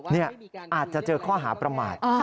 นี่อาจจะเจอข้อหาประมาท